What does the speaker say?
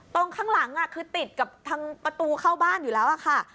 ตรงข้างหลังคือติดกับทางประตูเข้าบ้านอยู่แล้วค่ะ